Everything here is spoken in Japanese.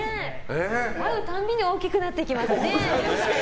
会うたびに大きくなっていきますね。